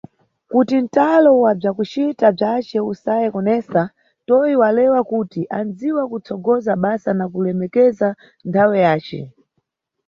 Kuti ntalo wa bzwakucita bzwace usaye kunesa, Toi walewa kuti anʼdziwa kutsogoza basa na kulemekeza nthawe zace.